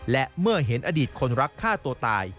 และเมื่อเห็นอดีตคนรักฆ่าตัวตาย